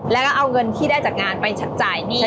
แล้วก็เอาเงินที่ได้จากงานไปจ่ายหนี้